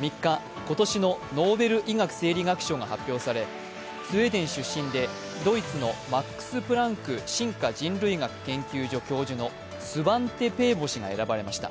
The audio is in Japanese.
３日、今年のノーベル医学生理学賞が発表されスウェーデン出身でドイツのマックス・プランク進化人類学研究所教授のスバンテ・ペーボ氏が選ばれました